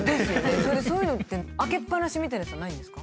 それでそういうのって開けっぱなしみたいなやつはないんですか？